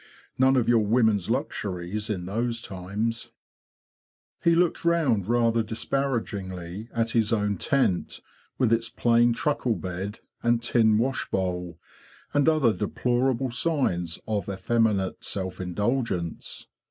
None of your women's luxuries in those times!'' He looked round rather disparagingly at his own tent, with its plain truckle bed, and tin wash bowl, and other deplorable signs of effeminate self indulgence.